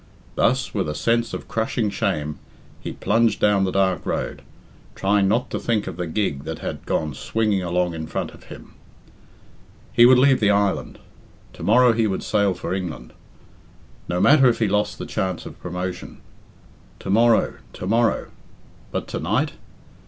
Thus, with a sense of crushing shame, he plunged down the dark road, trying not to think of the gig that had gone swinging along in front of him. He would leave the island. To morrow he would sail for England. No matter if he lost the chance of promotion. To morrow, to morrow! But to night?